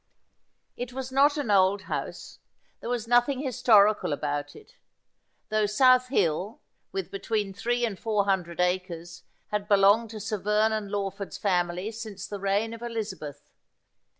It was not an old house. There was nothing historical about it ; though South Hill, with between three and four hundred acres, had belonged to Sir Vernon Lawford's family since the reign of Elizabeth.